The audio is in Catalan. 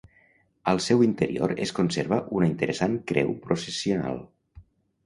Al seu interior es conserva una interessant creu processional.